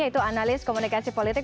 yaitu analis komunikasi politik